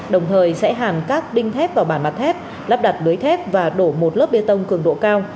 đồng thời sẽ hàn các đinh thép vào bản mặt thép lắp đặt lưới thép và đổ một lớp bê tông cường độ cao